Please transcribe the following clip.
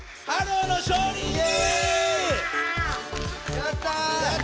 やった！